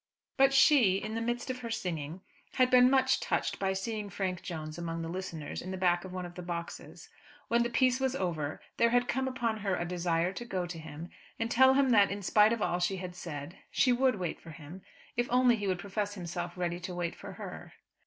But she, in the midst of her singing, had been much touched by seeing Frank Jones among the listeners in the back of one of the boxes. When the piece was over there had come upon her a desire to go to him and tell him that, in spite of all she had said, she would wait for him if only he would profess himself ready to wait for her.